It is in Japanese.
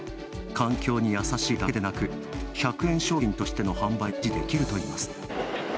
環境にやさしいだけでなく、１００円商品としての販売も維持できるといいます。